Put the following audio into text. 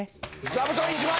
座布団１枚！